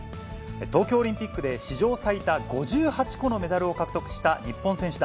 東京オリンピックで史上最多５８個のメダルを獲得した日本選手団。